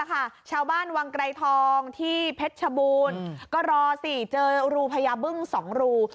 ชาวบ้านวังไกรทองที่เพชรชบูรณ์ก็รอสิเจอรูพญาบึ้ง๒รู